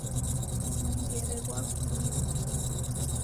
Mwengere ghwafumirikia.